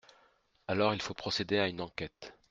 Alors il faut procéder à une enquête.